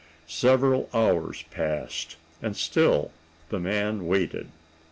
Several hours passed, and still the man waited.